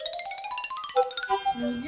みず